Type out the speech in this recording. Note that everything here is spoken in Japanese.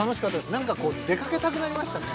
なんか出かけたくなりましたね。